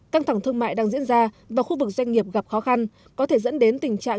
căng thẳng thương mại đang diễn ra và khu vực doanh nghiệp gặp khó khăn có thể dẫn đến tình trạng